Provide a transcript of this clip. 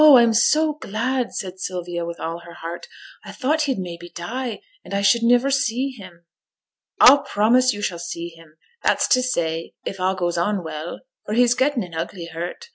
I am so glad,' said Sylvia, with all her heart. 'I thought he'd maybe die, and I should niver see him.' 'A'll promise yo' shall see him; that's t' say if a' goes on well, for he's getten an ugly hurt.